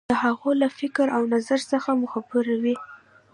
د هغو له فکر او نظر څخه مو خبروي.